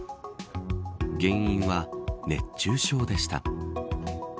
原因は熱中症でした。